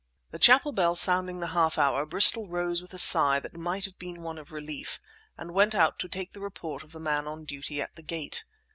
The chapel bell sounding the half hour, Bristol rose with a sigh that might have been one of relief, and went out to take the report of the man on duty at the gate.